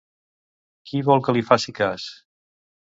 Qui vol que li faci cas?